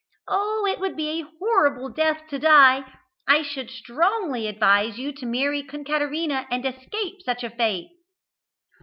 Oh, it would be a horrible death to die! I should strongly advise you to marry Concaterina and escape such a fate!"